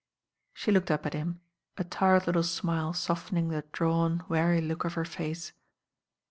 She looked up at him, a tired little smile softening the drawn, weary look of her face.